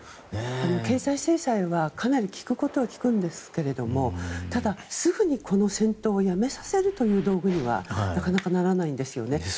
経済制裁はかなり効くことは効くんですがただ、すぐにこの戦闘をやめさせるという道具にはなかなかならないんですよね。